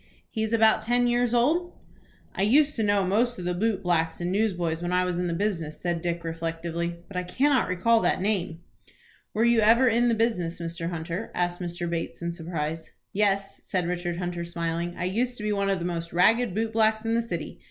"He is about ten years old?" "I used to know most of the boot blacks and newsboys when I was in the business," said Dick, reflectively; "but I cannot recall that name." "Were you ever in the business, Mr. Hunter?" asked Mr. Bates, in surprise. "Yes," said Richard Hunter, smiling; "I used to be one of the most ragged boot blacks in the city.